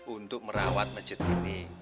untuk merawat masjid ini